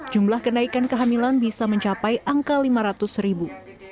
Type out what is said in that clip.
jumlah kenaikan kehamilan bisa mencapai angka lima ratus ribu